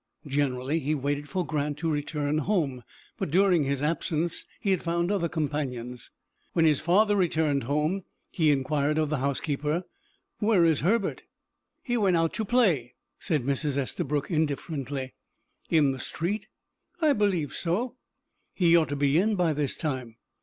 Generally he waited for Grant to return home, but during his absence he had found other companions. When his father returned home, he inquired of the housekeeper: "Where is Herbert?" "He went out to play," said Mrs. Estabrook, indifferently. "In the street?" "I believe so." "He ought to be in by this time."